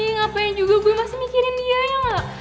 ngapain juga gue masih mikirin dia ya enggak